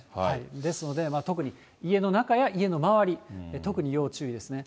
ですので、特に家の中や家の周り、特に要注意ですね。